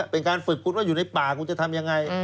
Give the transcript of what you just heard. เป็นการฝึกคุณว่าอยู่ในป่าคุณจะทำยังไง